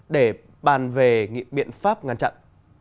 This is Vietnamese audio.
để bàn về nghiệp biện pháp ngăn chặn